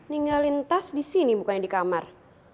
ninggalin tas di sini bukannya di kamar